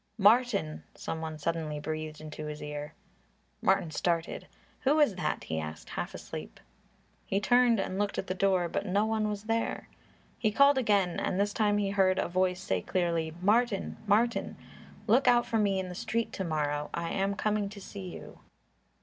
"Martin!" Some one suddenly breathed into his ear. Martin started. "Who is that?" he asked, half asleep. He turned and looked at the door, but no one was there. He called again and this time he heard a voice say clearly, "Martin! Martin! Look out for me in the street to morrow; I am coming to see you."